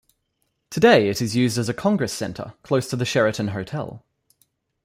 Today it is used as a congress center close to the Sheraton hotel.